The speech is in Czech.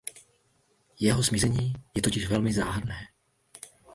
Jeho zmizení je totiž velmi záhadné.